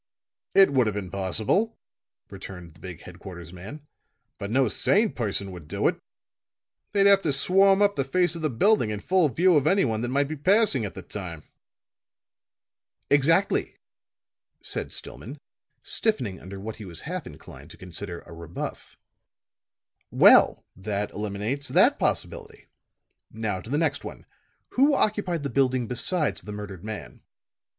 "It would have been possible," returned the big headquarters man, "but no sane person would do it. They'd have to swarm up the face of the building in full view of anyone that might be passing at the time." "Exactly," said Stillman, stiffening under what he was half inclined to consider a rebuff. "Well, that eliminates that possibility. Now to the next one. Who occupied the building besides the murdered man?"